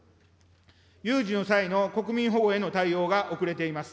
有事の際の国民保護への対応が遅れています。